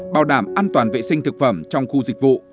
bảo đảm an toàn vệ sinh thực phẩm trong khu dịch vụ